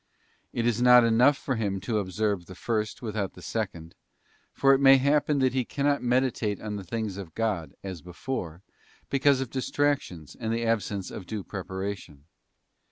It is not enough for him to observe the first without the second, for it may happen that he cannot meditate on the things of God, as before, because of distractions and the absence of due preparation.